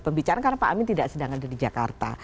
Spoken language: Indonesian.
pembicaraan karena pak amin tidak sedang ada di jakarta